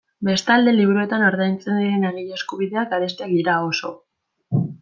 Bestalde, liburuetan ordaintzen diren egile eskubideak garestiak dira oso.